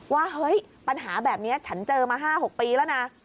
ว่าเฮ้ยปัญหาแบบนี้ฉันเจอมา๕๖ปีแล้วนะ